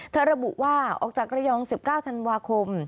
ระบุว่าออกจากระยอง๑๙ธันวาคม